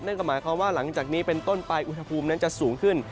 นั่นก็หมายความว่าหลังจากนี้เป็นต้นไปอุณหภูมินั้นจะสูงขึ้น